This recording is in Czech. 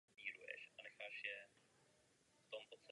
Přesná doba vzniku osady není známa.